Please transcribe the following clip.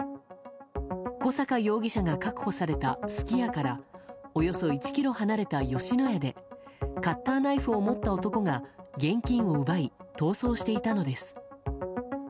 小阪容疑者が確保されたすき家からおよそ１ｋｍ離れた吉野家でカッターナイフを持った男が現金を奪い逃走していたのです。